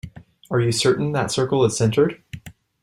Are you certain that circle is centered?